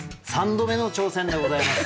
３度目の挑戦でございます。